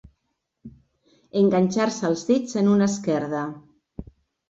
Enganxar-se els dits en una esquerda.